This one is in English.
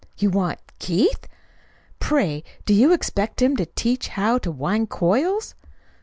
"You want Keith! Pray, do you expect him to teach how to wind coils?"